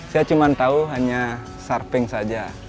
saya cuma tahu hanya surfing saja